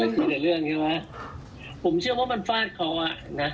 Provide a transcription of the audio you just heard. เป็นสิ่งในเรื่องใช่ไหมผมเชื่อว่ามันฝาดเขาอะนะ